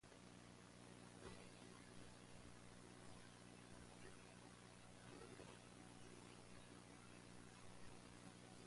Although an excellent, groundbreaking instrument by all accounts, the Avatar failed to sell well.